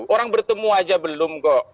orang bertemu aja belum kok